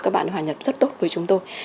các bạn hội nhập rất tốt với chúng tôi